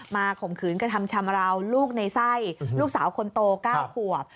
ข่มขืนกระทำชำราวลูกในไส้ลูกสาวคนโต๙ขวบ